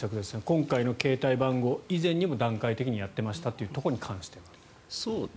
今回の携帯番号以前にも段階的にやっていたということに関して。